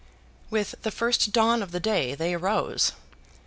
With the first dawn of day, they arose.